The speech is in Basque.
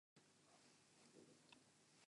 Errepasa ezazue gramatika.